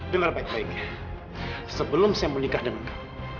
dengar baik baiknya sebelum saya mau nikah dengan kamu